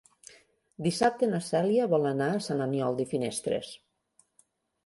Dissabte na Cèlia vol anar a Sant Aniol de Finestres.